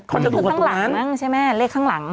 คุณจะดูตัวตัวนั้นคือข้างหลังมั้งใช่ไหมเลขข้างหลัง